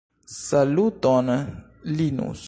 Saluton Linus!